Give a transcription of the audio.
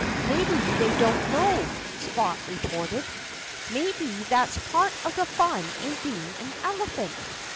"Maybe they don't know," Spot retorted. "Maybe that's part of the fun in being an elephant.